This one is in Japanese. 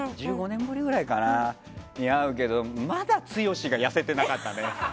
１５年ぶりぐらいかなに会うけどまだ剛が痩せてなかったね。